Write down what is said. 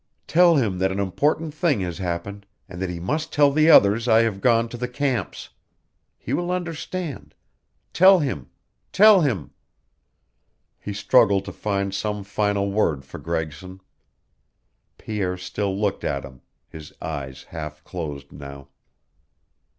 Tell him that an important thing has happened, and that he must tell the others I have gone to the camps. He will understand. Tell him tell him " He struggled to find some final word for Gregson. Pierre still looked at him, his eyes half closed now.